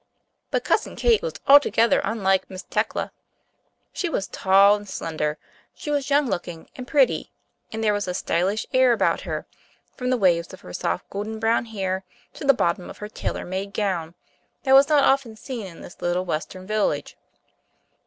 But Cousin Kate was altogether unlike Miss Teckla. She was tall and slender, she was young looking and pretty, and there was a stylish air about her, from the waves of her soft golden brown hair to the bottom of her tailor made gown, that was not often seen in this little Western village.